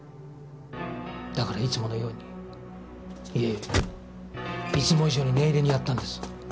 だからいつものようにいえいつも以上に念入りにやったんです。